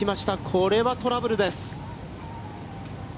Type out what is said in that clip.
これはトラブルです。